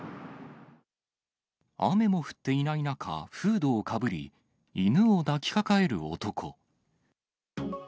雨も降っていない中、フードをかぶり、犬を抱きかかえる男。